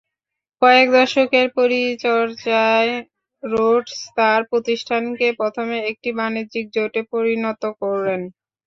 কয়েক দশকের পরিচর্যায় রোডস তাঁর প্রতিষ্ঠানটিকে প্রথমে একটি বাণিজ্য-জোটে পরিণত করেন।